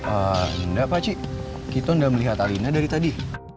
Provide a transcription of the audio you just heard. enggak pakcik kita tidak melihat alina dari tadi